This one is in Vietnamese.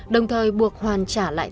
đồng thời buộc hoàn trả lại